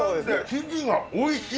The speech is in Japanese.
生地がおいしい！